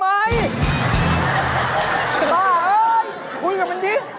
สบายเอ้ยคุยกับมันดิ